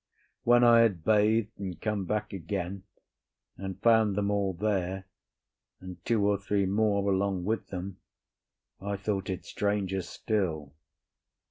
When I had bathed and come back again, and found them all there, and two or three more along with them, I thought it stranger still.